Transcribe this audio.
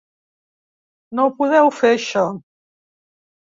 No ho podeu fer això.